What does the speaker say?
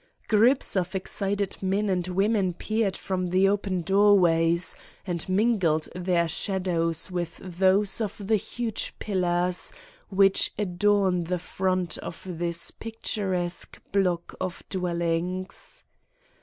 Groups of excited men and women peered from the open doorways, and mingled their shadows with those of the huge pillars which adorn the front of this picturesque block of dwellings.